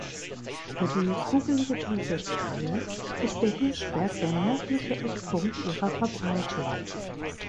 Für die Kugelige Teufelskralle ist der Hirschberg der nördliche Eckpunkt ihrer Verbreitung.